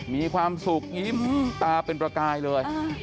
มีความสุขยิ้มตาเป็นประกายเลย